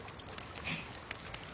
フッ。